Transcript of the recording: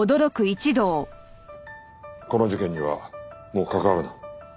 この事件にはもう関わるな。